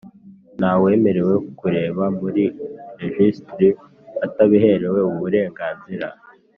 Nta wemerewe kureba muri rejisitiri atabiherewe uburenganzira.